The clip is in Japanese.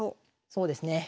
そうですね。